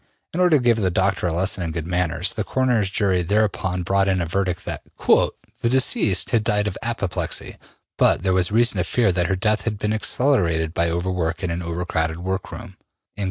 '' In order to give the doctor a lesson in good manners, the coroner's jury thereupon brought in a verdict that ``the deceased had died of apoplexy, but there was reason to fear that her death had been accelerated by over work in an over crowded workroom, &c.''